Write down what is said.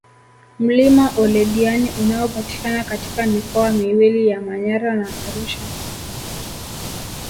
Mlima Oldeani unaopatikana katika mikoa miwili ya Manyara na Arusha